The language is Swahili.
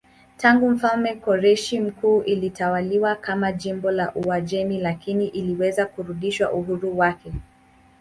Tangu mfalme Koreshi Mkuu ilitawaliwa kama jimbo la Uajemi lakini iliweza kurudisha uhuru wake.